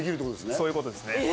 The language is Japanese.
そういうことですね。